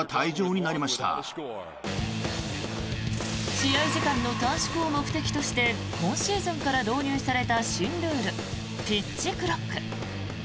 試合時間の短縮を目的として今シーズンから導入された新ルール、ピッチクロック。